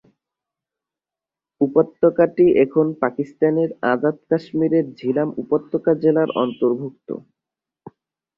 উপত্যকাটি এখন পাকিস্তানের আজাদ কাশ্মীরের ঝিলাম উপত্যকা জেলার অন্তর্ভুক্ত।